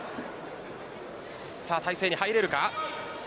体勢に入れるか。